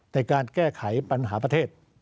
ในการแก้ไขปัญหาประเทศ